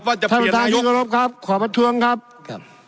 ว่าจะเปลี่ยนนายกท่านประทานที่ขอรบครับขอบทรวงครับครับ